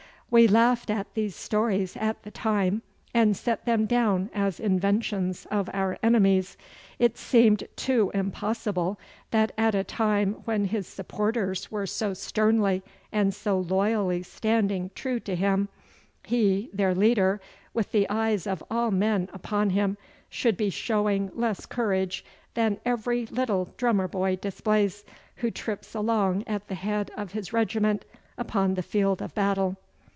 We laughed at these stories at the time, and set them down as inventions of our enemies. It seemed too impossible that at a time when his supporters were so sternly and so loyally standing true to him, he, their leader, with the eyes of all men upon him, should be showing less courage than every little drummer boy displays, who trips along at the head of his regiment upon the field of battle.